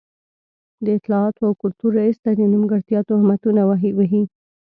د اطلاعاتو او کلتور رئيس ته د نیمګړتيا تهمتونه وهي.